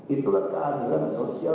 itulah keadilan sosial